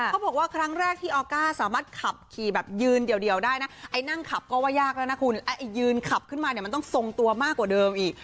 เขาบอกว่าครั้งแรกที่ออก้าสามารถขับขี่แบบยืนเดียวได้นะไอ้นั่งขับก็ว่ายากแล้วนะคุณไอ้ยืนขับขึ้นมาเนี่ยมันต้องทรงตัวมากกว่าเดิมอีก